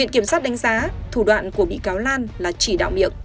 kiểm soát đánh giá thủ đoạn của bị cáo lan là chỉ đạo miệng